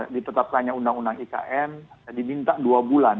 ditetapkannya undang undang ikn diminta dua bulan